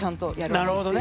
なるほどね。